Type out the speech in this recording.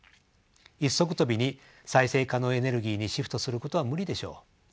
一足飛びに再生可能エネルギーにシフトすることは無理でしょう。